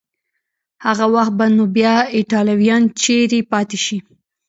هغه وخت به نو بیا ایټالویان چیري پاتې شي؟